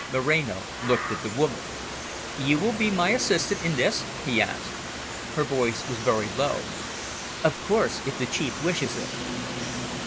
Moreno looked at the woman. "You will be my assistant in this?" he asked. Her voice was very low. "Of course, if the Chief wishes it."